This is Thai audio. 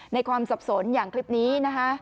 ความสับสนอย่างคลิปนี้นะคะ